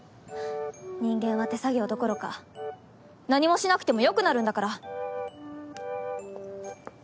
人間は手作業どころか何もしなくてもよくなるんだから。